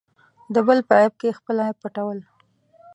د بل په عیب کې خپل عیب پټول.